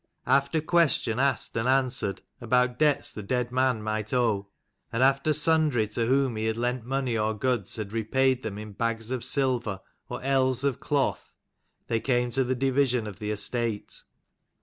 After question asked and answered about debts the dead man might owe, and after sundry to whom he had lent money or goods had repaid them in bags of silver or ells of cloth they came to the division of the estate.